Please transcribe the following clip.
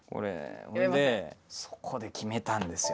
そこで決めたんですよ